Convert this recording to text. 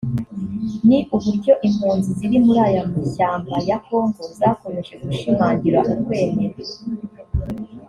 ni uburyo impunzi ziri muri aya mashyamba ya Kongo zakomeje gushimangira ukwemera